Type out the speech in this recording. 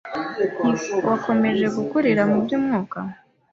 Ntiwakomeje gukurira mu by’umwuka,